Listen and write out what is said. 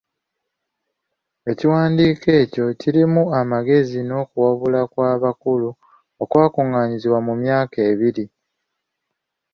Ekiwandiiko ekyo kirimu amagezi n'okuwabula kw'abakugu okwakuŋŋaanyizibwa mu myaka ebiri